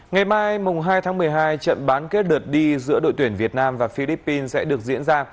ngày mai hai tháng một mươi hai trận bán kết đợt đi giữa đội tuyển việt nam và philippines sẽ được diễn ra